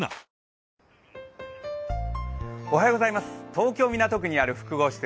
東京・港区にある複合施設